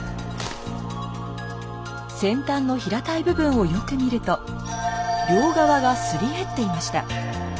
先端の平たい部分をよく見ると両側がすり減っていました。